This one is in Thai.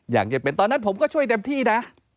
อยากจะเป็นตอนนั้นผมก็ช่วยเต็มที่นะ